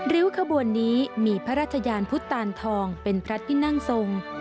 ริ้วขบวนนี้มีพระราชยานพุทธตานทองเป็นพระที่นั่งทรง